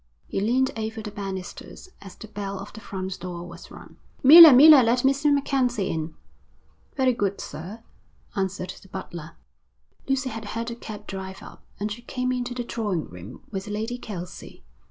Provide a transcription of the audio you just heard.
He leaned over the banisters, as the bell of the front door was rung. 'Miller, Miller, let Mr. MacKenzie in.' 'Very good, sir,' answered the butler. Lucy had heard the cab drive up, and she came into the drawing room with Lady Kelsey.